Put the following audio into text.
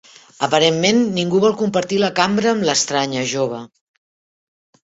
Aparentment ningú vol compartir la cambra amb l'estranya jove.